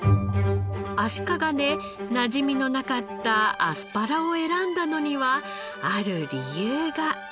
足利でなじみのなかったアスパラを選んだのにはある理由が。